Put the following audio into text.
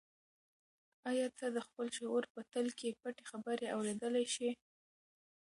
آیا ته د خپل شعور په تل کې پټې خبرې اورېدلی شې؟